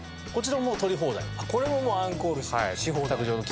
これもアンコールし放題？